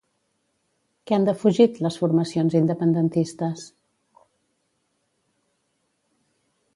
Què han defugit, les formacions independentistes?